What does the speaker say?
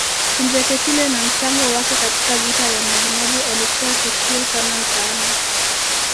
Kinjeketile na mchango wake katika Vita ya Majimaji Alikuwa tishio sana mtaani